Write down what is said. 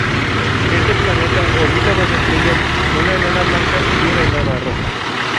Este planeta orbita dos estrellas, una enana blanca y una enana roja.